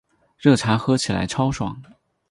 热茶喝起来超爽